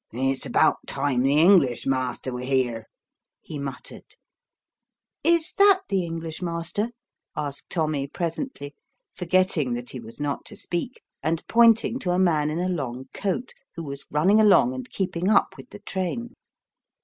" It's about time the English master were here," he muttered. "Is that the English master ?" asked Tommy presently, for getting that he was not to speak, and pointing to a man in a long coat who was running along and keeping up with the train.